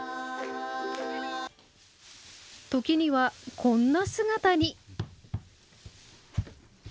時にはこんな姿に。